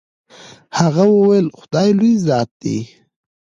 هغه وويل خداى لوى ذات دې.